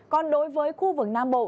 còn đối với khu vực nam bộ